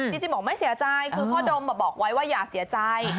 จริงบอกไม่เสียใจคือพ่อดมบอกไว้ว่าอย่าเสียใจ